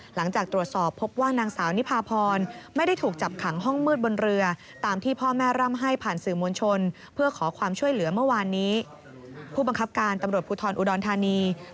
หลังจากตรวจสอบพบว่านางสาวนิพาพรไม่ได้ถูกจับขังห้องมืดบนเรือตามที่พ่อแม่ร่ำให้ผ่านสื่อมวลชนเพื่อขอความช่วยเหลือเมื่อวานนี้